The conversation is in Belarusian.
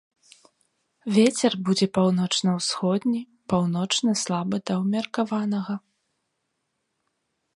Вецер будзе паўночна-ўсходні, паўночны слабы да ўмеркаванага.